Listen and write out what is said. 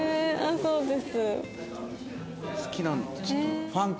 そうです。